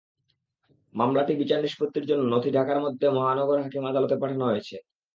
মামলাটি বিচার নিষ্পত্তির জন্য নথি ঢাকার মুখ্য মহানগর হাকিম আদালতে পাঠানো হয়েছে।